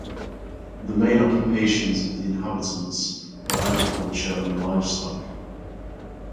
The main occupations of the inhabitants were agriculture and livestock.